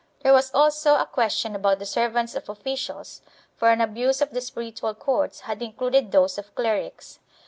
There was also a question about the servants of officials, for an abuse of the spiritual courts had included those of clerics.